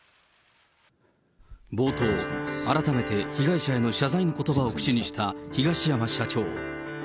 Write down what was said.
冒頭、改めて被害者への謝罪のことばを口にした東山社長。